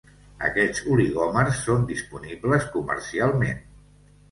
Aquests oligòmers són disponibles comercialment.